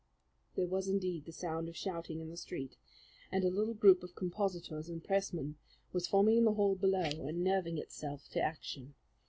There was indeed the sound of shouting in the street, and a little group of compositors and pressmen was forming in the hall below and nerving itself to action.